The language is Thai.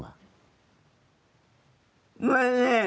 ไม่แน่